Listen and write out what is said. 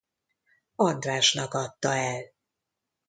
Andrásnak adta el.